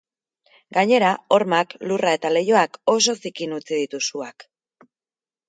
Gainera, hormak, lurra eta leihoak oso zikin utzi ditu suak.